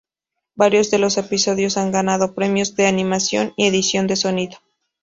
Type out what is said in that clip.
Varios de los episodios han ganado premios de animación y edición de sonido.